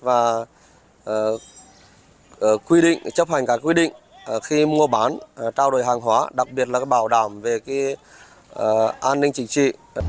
và quy định chấp hành các quy định khi mua bán trao đổi hàng hóa đặc biệt là bảo đảm về an ninh chính trị